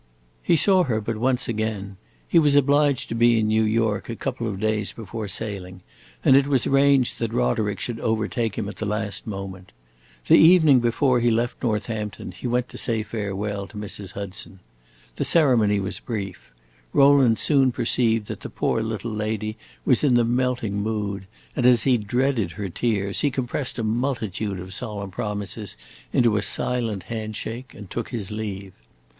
He saw her but once again. He was obliged to be in New York a couple of days before sailing, and it was arranged that Roderick should overtake him at the last moment. The evening before he left Northampton he went to say farewell to Mrs. Hudson. The ceremony was brief. Rowland soon perceived that the poor little lady was in the melting mood, and, as he dreaded her tears, he compressed a multitude of solemn promises into a silent hand shake and took his leave.